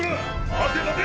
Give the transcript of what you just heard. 待て待て！